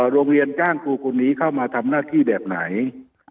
โรงเรียนจ้างครูคนนี้เข้ามาทำหน้าที่แบบไหน